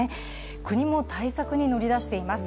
国も対策に乗り出しています。